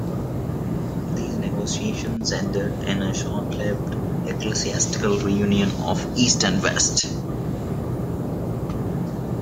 These negotiations ended in a short-lived ecclesiastical reunion of East and West.